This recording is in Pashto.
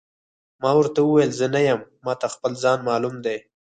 ما ورته وویل: زه نه یم، ما ته خپل ځان معلوم دی.